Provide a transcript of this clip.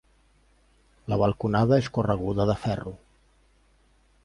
La balconada és correguda de ferro.